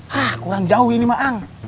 hah kurang jauh ini maang